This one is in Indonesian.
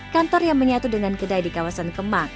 kantor yang menyatu dengan kedai di kawasan kemang